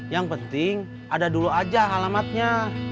yang penting ada dulu aja alamatnya